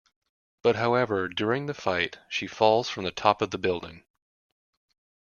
But however during the fight she falls from the top of the building.